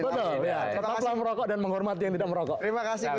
betul tetaplah merokok dan menghormati yang tidak merokok